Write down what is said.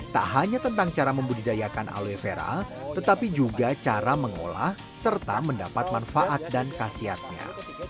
tak hanya tentang cara membudidayakan aloe vera tetapi juga cara mengolah serta mendapat manfaat dan khasiatnya